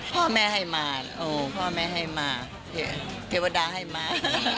พ่อแม่ให้มาพ่อแม่ให้มาเทวดาให้มา